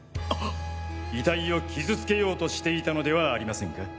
遺体を傷つけようとしていたのではありませんか？